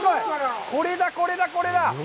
これだこれだこれだ！